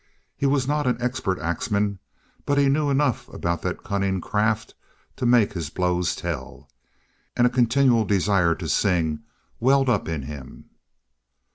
He was not an expert axman, but he knew enough about that cunning craft to make his blows tell, and a continual desire to sing welled up in him.